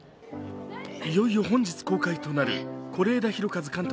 いよいよ本日公開となる是枝裕和監督